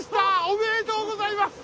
おめでとうございます！